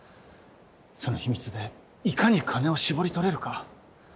その秘密でいかに金を搾り取れるか？